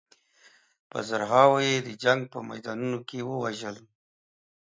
په زرهاوو یې د جنګ په میدانونو کې ووژل.